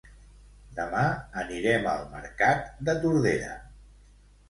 Demà anirem al mercat de Tordera